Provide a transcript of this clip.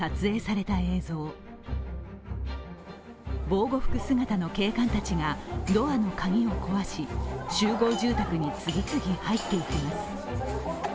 防護服姿の警官たちがドアのカギを壊し集合住宅に次々、入っていきます。